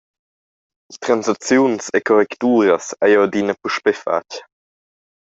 Translaziuns e correcturas hai jeu adina puspei fatg.